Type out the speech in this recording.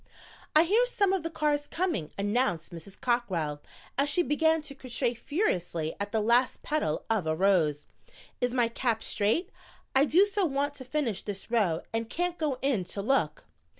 "I hear some of the cars coming," announced Mrs. Cockrell, as she began to crochet furiously at the last petal of a rose. "Is my cap straight? I do so want to finish this row and can't go in to look."